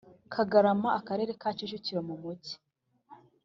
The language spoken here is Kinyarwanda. Kagarama Akarere ka Kicukiro mu Mujyi